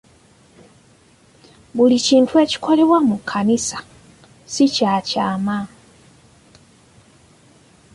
Buli kintu ekikolebwa mu kkanisa si kya kyama.